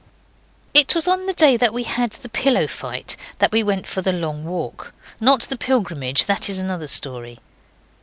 It was on the day we had the pillow fight that we went for the long walk. Not the Pilgrimage that is another story.